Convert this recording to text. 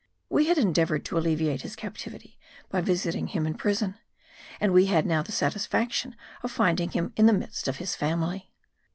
We had endeavoured to alleviate his captivity by visiting him in prison; and we had now the satisfaction of finding him in the midst of his family.